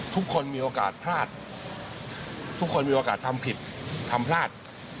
ทุกคนมีโอกาสพลาดทุกคนมีโอกาสทำผิดทำพลาด